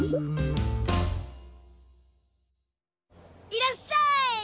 いらっしゃい！